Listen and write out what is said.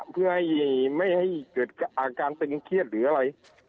เพื่อให้ไม่ให้เกิดอาการตึงเครียดหรืออะไร